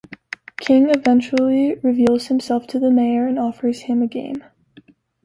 King eventually reveals himself to the Mayor and offers him a game.